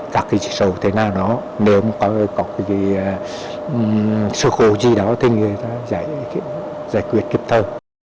các dịch sổ thế nào đó nếu có sự khổ gì đó thì người ta giải quyết kịp thôi